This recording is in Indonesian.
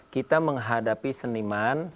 kita menghadapi seniman